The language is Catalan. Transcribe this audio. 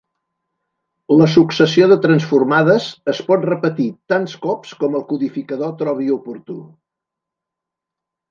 La successió de transformades es pot repetir tants cops com el codificador trobi oportú.